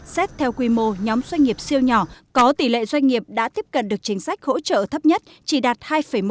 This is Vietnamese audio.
xét theo quy mô nhóm doanh nghiệp siêu nhỏ có tỷ lệ doanh nghiệp đã tiếp cận được chính sách hỗ trợ thấp nhất chỉ đạt hai một